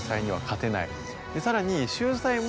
さらに。